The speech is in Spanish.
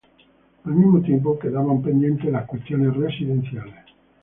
Al mismo tiempo quedaban pendientes las cuestiones residenciales.